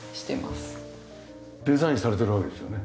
デザインされているわけですよね。